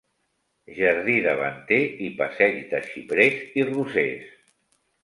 Jardí davanter i passeig de xiprers i rosers.